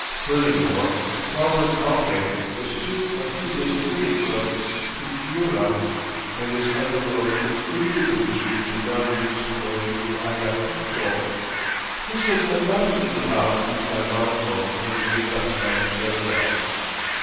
Furthermore, Huarancalque is two or three days' journey from Pucyura and is on the road which the Indians of this region now use in going to Ayacucho. This was undoubtedly the route used by Manco in his raids on Spanish caravans.